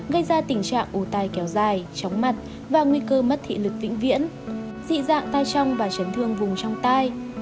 gây ra tình trạng ủ tài kéo dài chóng mặt và nguy cơ mất thị lực vĩnh viễn dị dạng tai trong và chấn thương vùng trong tai